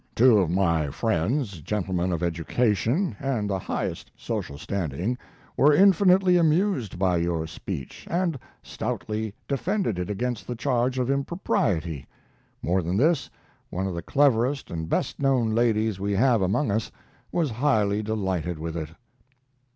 Two of my friends, gentlemen of education and the highest social standing, were infinitely amused by your speech, and stoutly defended it against the charge of impropriety. More than this, one of the cleverest and best known ladies we have among us was highly delighted with it.